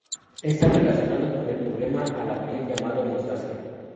Están relacionados con el problema a la piel llamado rosácea.